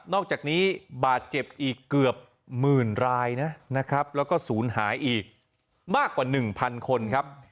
อกจากนี้บาดเจ็บอีกเกือบหมื่นรายนะครับแล้วก็ศูนย์หายอีกมากกว่า๑๐๐คนครับ